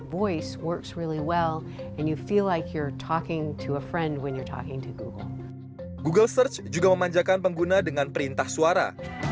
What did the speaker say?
google search juga memanjakan pengguna dengan perintah suara